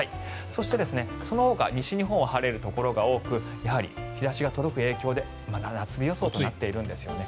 そして、そのほか西日本は晴れるところが多くやはり日差しが届く影響で夏日予想となっているんですよね。